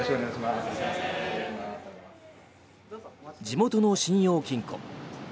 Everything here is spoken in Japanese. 地元の信用金庫。